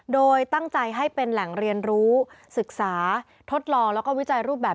โดยตั้งใจให้เป็นแหล่งเรียนรู้ศึกษาทดลองแล้วก็วิจัยรูปแบบ